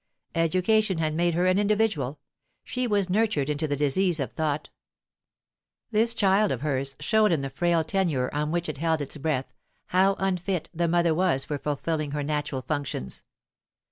Education had made her an individual; she was nurtured into the disease of thought This child of hers showed in the frail tenure on which it held its breath how unfit the mother was for fulfilling her natural functions.